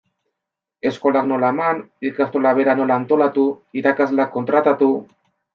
Eskolak nola eman, ikastola bera nola antolatu, irakasleak kontratatu...